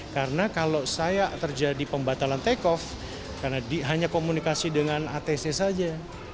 karena kalau saya terjadi pembatalan take off karena hanya komunikasi dengan atc saja